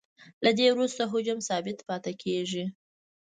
له دې وروسته حجم ثابت پاتې کیږي